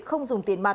không dùng tiền mặt